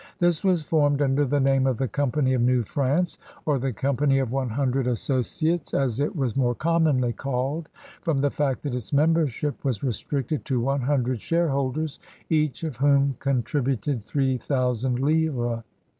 This was formed under the name of the Company of New France, or the Company of One Hundred Associates, as it was more commonly called from the fact that its membership was restricted to one hundred share holders, each of whom contributed three thousand livres.